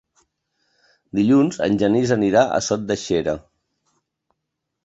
Dilluns en Genís anirà a Sot de Xera.